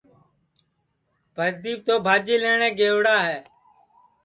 پردیپ تو بھاجی لئوٹؔے گئیوڑا ہے